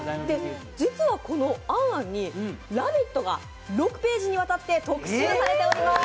実は、この「ａｎ・ａｎ」に「ラヴィット！」が６ページにわたって特集されています。